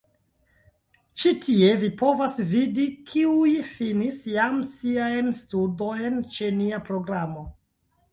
Ĉi tie vi povas vidi, kiuj finis jam siajn studojn ĉe nia programo.